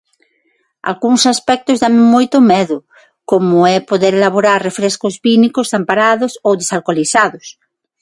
Algúns aspectos danme moito medo, como é poder elaborar refrescos vínicos amparados ou desalcolizados.